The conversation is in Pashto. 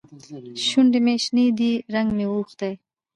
شونډې مې شنې دي؛ رنګ مې اوښتی.